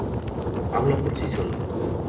Habla por sí solo.